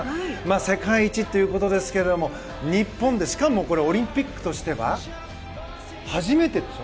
世界一ということですけど日本でしかも、オリンピックとしては初めてでしょ？